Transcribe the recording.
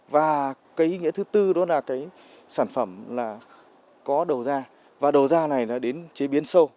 và cái ý nghĩa thứ tư đó là cái sản phẩm là có đầu ra và đầu ra này là đến chế biến sâu